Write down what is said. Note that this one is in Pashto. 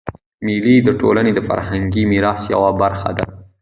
مېلې د ټولني د فرهنګي میراث یوه برخه ده.